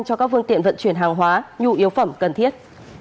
cho các phương tiện vận chuyển hàng hóa nhu yếu phẩm cần thiết